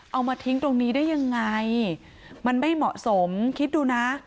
เอามาทิ้งตรงนี้ได้ยังไงมันไม่เหมาะสมคิดดูนะ